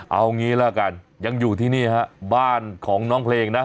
เอางี้ละกันยังอยู่ที่นี่ฮะบ้านของน้องเพลงนะ